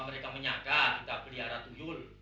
mereka menyadar kita ini pelihara tuyul